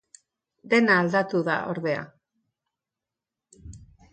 Dena aldatu da, ordea.